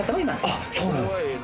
あっそうなんですか